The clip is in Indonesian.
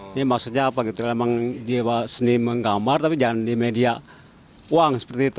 ini maksudnya apa gitu emang jiwa seni menggambar tapi jangan di media uang seperti itu